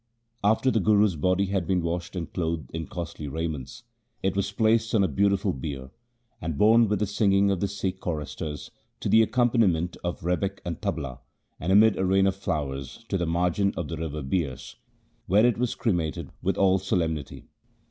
After the Guru's body had been washed and clothed in costly raiments, it was placed on a beautiful bier, and borne with the singing of the Sikh choristers, to the accompaniment of rebeck and tabla, and amid a rain of flowers, to the margin of the river Bias, where it was cremated with all solemnity.